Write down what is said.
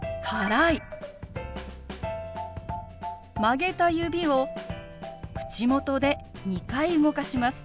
曲げた指を口元で２回動かします。